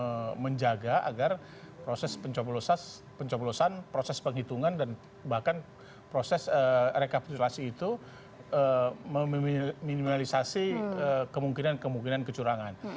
untuk menjaga agar proses pencoblosan proses penghitungan dan bahkan proses rekapitulasi itu meminimalisasi kemungkinan kemungkinan kecurangan